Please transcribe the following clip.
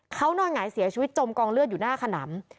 เขานอนหงายเสียชีวิตจมกองเลือดอยู่หน้าขนำ